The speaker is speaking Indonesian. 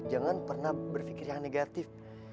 jangan pernah berpikir yang negatif